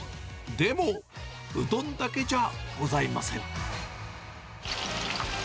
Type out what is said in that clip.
でも、うどんだけじゃございません。